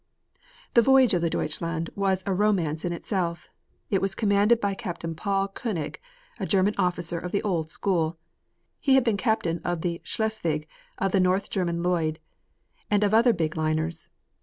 The voyage of the Deutschland was a romance in itself. It was commanded by Captain Paul Koenig, a German officer of the old school. He had been captain of the Schleswig of the North German Lloyd, and of other big liners.